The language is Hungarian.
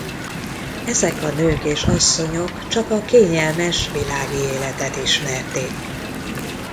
Ezek a nők és asszonyok csak a kényelmes világi életet ismerték.